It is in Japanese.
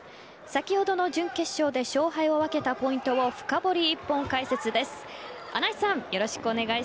先ほどの準決勝で勝敗を分けたポイントを深掘り